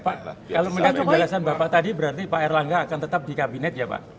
kalau menjawabkan pembahasan bapak tadi berarti pak erlangga akan tetap di kabinet ya pak